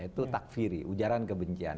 itu takfiri ujaran kebencian